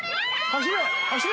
走れ！